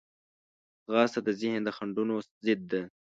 ځغاسته د ذهن د خنډونو ضد ده